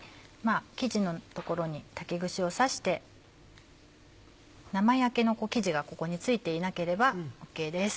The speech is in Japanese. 生地の所に竹串を刺して生焼けの生地がここに付いていなければＯＫです。